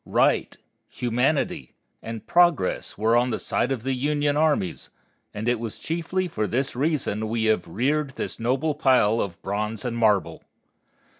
Right, humanity, and progress were on the side of the Union armies, and it was chiefly for this reason we have reared this noble pile of bronze and marble.